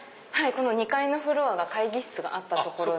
２階のフロアが会議室があった。